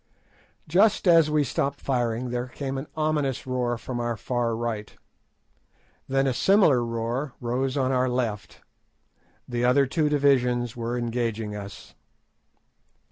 Just as we stopped firing there came an ominous roar from our far right, then a similar roar rose on our left. The two other divisions were engaging us.